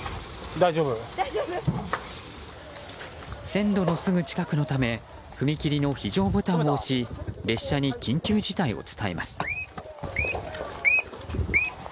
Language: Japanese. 線路のすぐ近くのため踏切の非常ボタンを押し列車に緊急事態を伝えます。